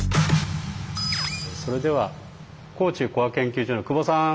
それでは高知コア研究所の久保さん。